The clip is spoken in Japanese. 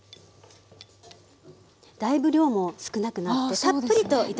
だいぶ量も少なくなってたっぷりと頂けますね。